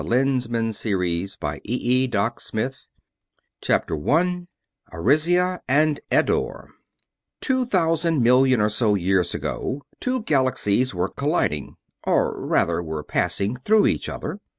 Giants Meet 229 BOOK ONE DAWN CHAPTER 1 ARISIA AND EDDORE Two thousand million or so years ago two galaxies were colliding; or, rather, were passing through each other.